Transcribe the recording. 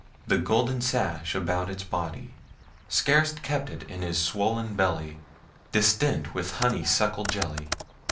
The golden sash about his body Scarce kept it in his swollen belly Distent with honeysuckle jelly.